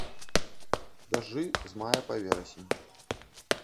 Дажджы з мая па верасень.